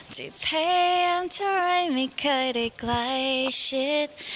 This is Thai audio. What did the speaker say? ที่พยายามเท่าไรไม่เคยได้ไกลชิด